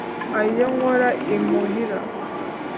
ayo nkora imuhira